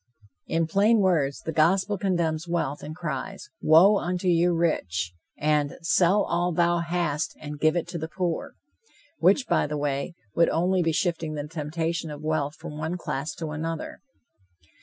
In plain words, the gospel condemns wealth, and cries, "Woe unto you rich," and "Sell all thou hast and give it to the poor," which, by the way, would only be shifting the temptation of wealth from one class to another.